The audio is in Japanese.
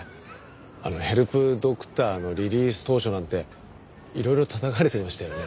あの「ヘルプドクター」のリリース当初なんていろいろたたかれてましたよね。